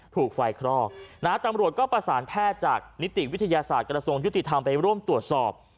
ถูกไฟคลอกนะฮะตำรวจก็ประสานแพทย์จากนิติวิทยาศาสตร์กระทรวงยุติธรรมไปร่วมตรวจสอบ